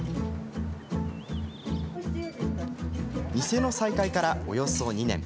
店の再開から、およそ２年。